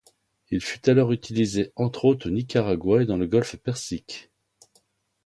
Il fut alors utilisé entre autres au Nicaragua et dans le golfe Persique.